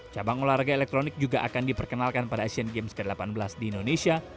cabang olahraga elektronik juga akan diperkenalkan pada asian games ke delapan belas di indonesia